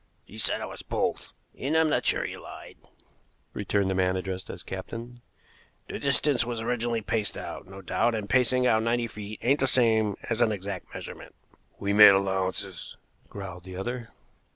"He said it was both." "And I'm not sure he lied," returned the man addressed as captain. "The distance was originally paced out no doubt, and pacing out ninety feet ain't the same as an exact measurement." "We made allowances," growled the other.